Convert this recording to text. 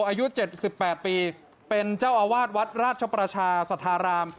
อายุเจ็ดสิบแปดปีเป็นเจ้าอาวาสวัดราชประชาสถาราม